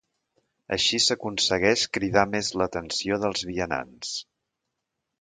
Així s'aconsegueix cridar més l'atenció dels vianants.